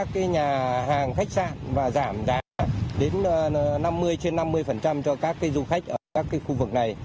các cái nhà hàng khách sạn và giảm giá đến năm mươi trên năm mươi cho các cái du khách ở các cái khu vực này